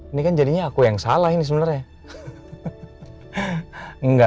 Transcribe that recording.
ini kan jadinya aku yang salah ini sebenarnya